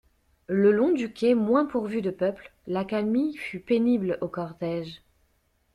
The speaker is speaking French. Le long du quai moins pourvu de peuple, l'accalmie fut pénible au cortège.